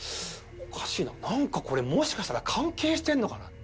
おかしいななんかこれもしかしたら関係してるのかな？